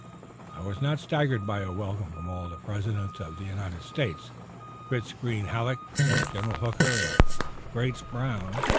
I was not staggered by a welcome from all the Presidents of the United States, Fitz Greene Halleck, General Hooker, and Gratz Brown.